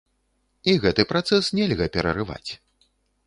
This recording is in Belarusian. І гэты працэс нельга перарываць.